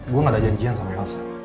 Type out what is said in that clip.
gue gak ada janjian sama elsa